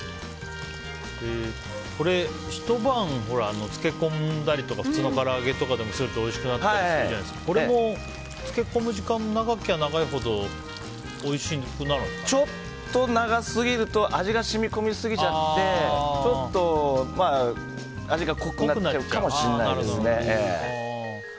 ひと晩漬け込んだり普通のから揚げとかでもするとおいしくなったりするじゃないですかこれも漬け込む時間が長ければ長いほどちょっと長すぎると味が染み込みすぎちゃって味が濃くなっちゃうかもしれないです。